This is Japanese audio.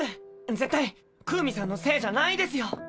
絶対クウミさんのせいじゃないですよ。